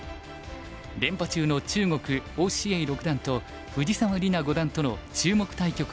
連覇中の中国於之瑩六段と藤沢里菜五段との注目対局が実現。